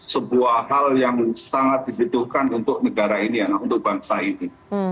sebuah hal yang sangat dibutuhkan untuk negara ini untuk bangsa ini